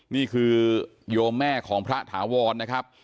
นี่คือโยมแม่ของพระถาวรนะครับ